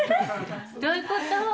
どういうこと？